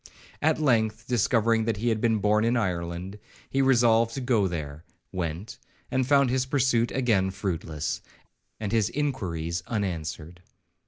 At length, discovering that he had been born in Ireland, he resolved to go there,—went, and found his pursuit again fruitless, and his inquiries unanswered.